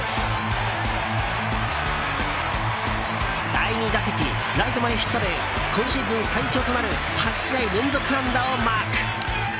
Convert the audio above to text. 第２打席、ライト前ヒットで今シーズン最長となる８試合連続安打をマーク！